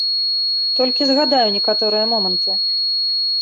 Толькі згадаю некаторыя моманты.